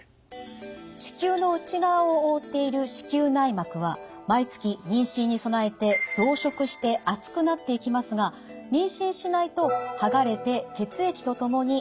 子宮の内側を覆っている子宮内膜は毎月妊娠に備えて増殖して厚くなっていきますが妊娠しないと剥がれて血液とともに体の外に排出されます。